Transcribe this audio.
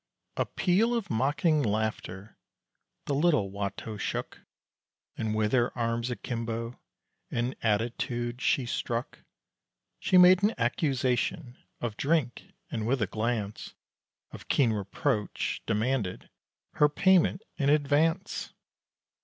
A peal of mocking laughter, the little Watteau shook, And with her arms akimbo, an attitude she struck, She made an accusation of drink, and with a glance Of keen reproach, demanded, her payment in advance!